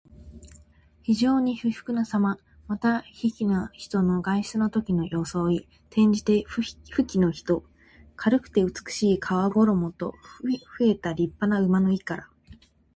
非常に富貴なさま。また、富貴な人の外出のときの装い。転じて、富貴の人。軽くて美しい皮ごろもと肥えた立派な馬の意から。「裘」は皮ごろものこと。「軽裘」は軽くて高価な皮ごろも。略して「軽肥」ともいう。また「肥馬軽裘」ともいう。